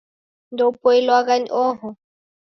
Ndeupoilwagha ni oho